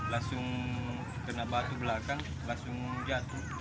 langsung kena batu belakang langsung jatuh